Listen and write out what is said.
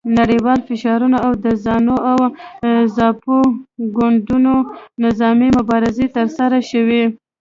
نړیوال فشارونه او د زانو او زاپو ګوندونو نظامي مبارزې ترسره شوې.